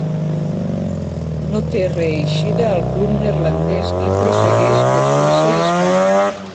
No té reeixida al club neerlandès i prossegueix per Suïssa i Espanya.